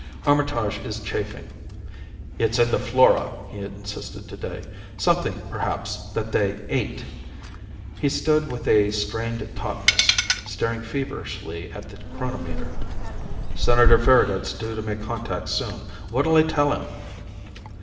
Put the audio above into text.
Armitage is chafing. "It's in the flora," he insisted today. "Something, perhaps, that they ate." He stood with a strained tautness, staring feverishly at the chronometer. "Senator Farragut's due to make contact soon. What'll I tell him?"